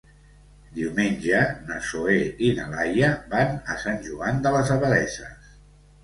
Diumenge na Zoè i na Laia van a Sant Joan de les Abadesses.